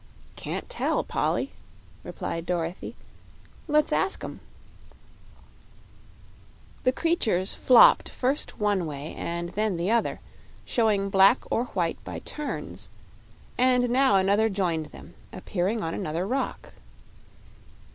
"Can't tell, Polly," replied Dorothy. "Let's ask 'em." The creatures flopped first one way and then the other, showing black or white by turns; and now another joined them, appearing on another rock.